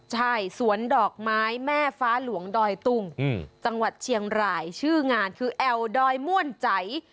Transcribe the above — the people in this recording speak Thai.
ใช่สวนดอกไม้แม่ฟ้าหลวงดอยตุ้งจังหวัดเชียงรายชื่องานคือแอวดอยม่วนใจ